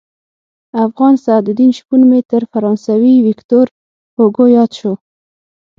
افغان سعدالدین شپون مې تر فرانسوي ویکتور هوګو ياد شو.